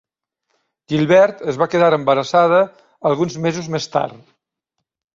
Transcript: Gilbert es va quedar embarassada alguns mesos més tard.